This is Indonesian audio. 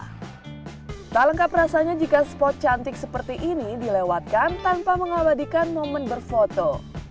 tak lengkap rasanya jika spot cantik seperti ini dilewatkan tanpa mengabadikan momen berfoto